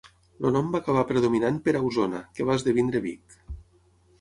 El nom va acabar predominant per Ausona que va esdevenir Vic.